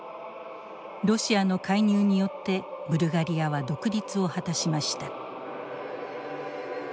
ロシアの介入によってブルガリアは独立を果たしました。